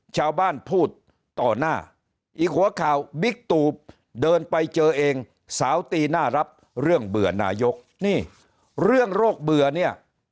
ชาวบ้านพูดต่อหน้าอีกหัวข่าวบิ๊กตูบเดินไปเจอเองสาวตีหน้ารับเรื่องเบื่อนายกนี่เรื่องโรคเบื่อเนี่ย